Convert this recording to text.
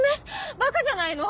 バカじゃないの！？